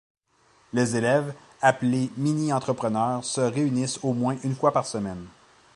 Les élèves, appelés mini-entrepreneurs se réunissent au moins une fois par semaine.